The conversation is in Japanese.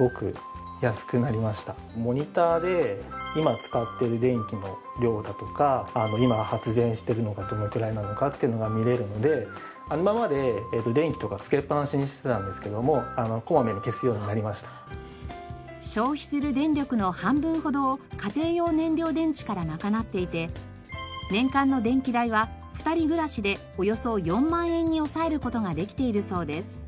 モニターで今使っている電気の量だとか今発電しているのがどのくらいなのかっていうのが見れるので消費する電力の半分ほどを家庭用燃料電池からまかなっていて年間の電気代は２人暮らしでおよそ４万円に抑える事ができているそうです。